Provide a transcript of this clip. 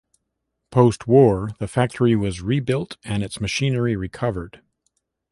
Post war the factory was rebuilt and its machinery recovered.